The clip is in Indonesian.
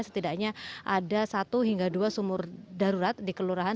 setidaknya ada satu hingga dua sumur darurat di kelurahan